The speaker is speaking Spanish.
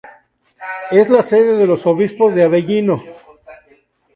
Es la sede de los obispos de Avellino.